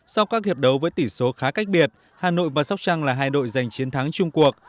sau các hiệp đấu với tỷ số khá cách biệt hà nội và sóc trăng là hai đội giành chiến thắng chung cuộc